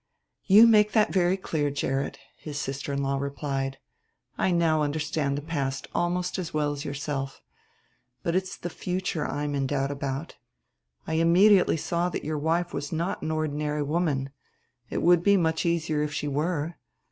"You make that very clear, Gerrit," his sister in law replied; "I now understand the past almost as well as yourself; but it's the future I'm in doubt about. I saw immediately that your wife was not an ordinary woman; it would be much easier if she were.